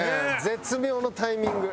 「絶妙のタイミング」